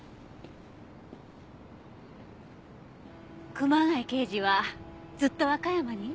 熊谷刑事はずっと和歌山に？